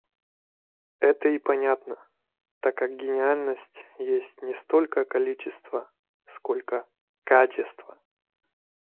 Это и понятно, так как гениальность есть не столько количества, сколько КАЧЕСТВО.